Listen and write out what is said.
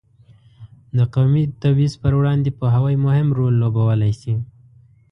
د قومي تبعیض پر وړاندې پوهاوی مهم رول لوبولی شي.